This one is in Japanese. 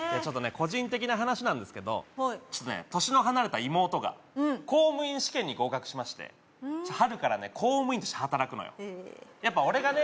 個人的な話なんですけどはいちょっとね年の離れた妹がうん公務員試験に合格しましてふん春からね公務員として働くのよええやっぱね